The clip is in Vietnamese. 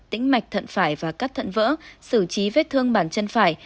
tĩnh mạch thận phải và cắt thận vỡ xử trí vết thương bản chân phải